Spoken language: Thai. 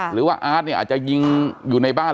หรือว่าอาร์ตเนี่ยอาจจะยิงอยู่ในบ้าน